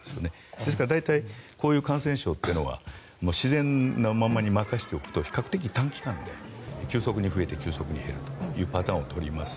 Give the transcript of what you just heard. ですから大体こういう感染症というのは自然なままに任せておくと比較的短期間で急速に増えて急速に減るというパターンをとります。